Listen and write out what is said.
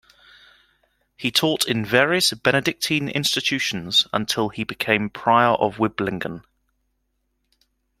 He taught in various Benedictine institutions until he became prior of Wiblingen.